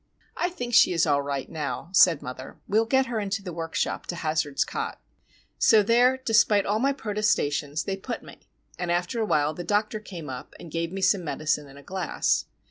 "I think she is all right, now," said mother. "We will get her into the workshop to Hazard's cot." So there, despite all my protestations, they put me, and after a while the doctor came up and gave me some medicine in a glass.